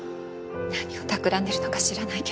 何をたくらんでるのか知らないけど